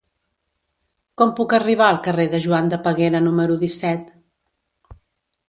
Com puc arribar al carrer de Joan de Peguera número disset?